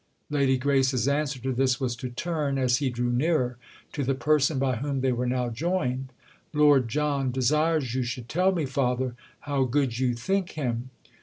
Lady Grace's answer to this was to turn, as he drew nearer, to the person by whom they were now joined. "Lord John desires you should tell me, father, how good you think him."